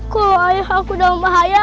kalau ayah aku dalam bahaya